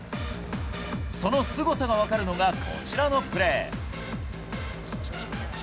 そのすごさが分かるのがこちらのプレー。